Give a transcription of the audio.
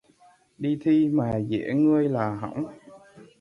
Đi thi mà dễ ngươi là hỏng